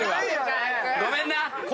ごめんな。